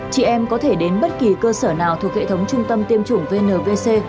chị em có thể đến bất kỳ cơ sở nào thuộc hệ thống trung tâm tiêm chủng vnvc